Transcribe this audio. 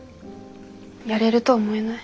やれると思えない。